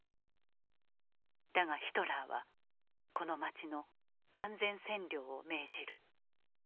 だがヒトラーはこの街の「完全占領」を命じる。